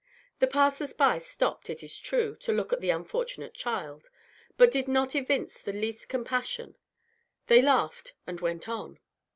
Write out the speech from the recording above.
The passers by stopped, it is true, to look at the unfortunate child, but did not evince the least compassion; they laughed, and went on.